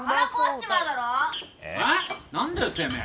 何だよてめえ！